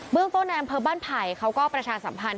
บึงต้นจะอำเภอบ้านไผ่เขาก็ประชาสัมพันธ์